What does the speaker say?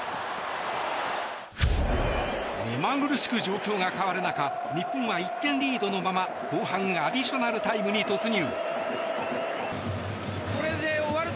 目まぐるしく状況が変わる中日本は１点リードのまま後半アディショナルタイムに突入。